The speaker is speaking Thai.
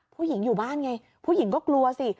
ผู้หญิงอยู่บ้านไงผู้หญิงก็กลัวสิ